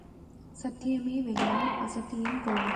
சத்தியமே வெல்லும், அசத்தியம் கொல்லும்.